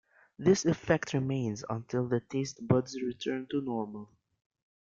This effect remains until the taste buds return to normal.